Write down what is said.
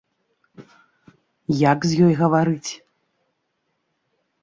Як з ёй гаварыць?